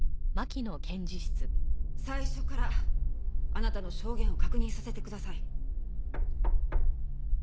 最初からあなたの証言を確認させてください。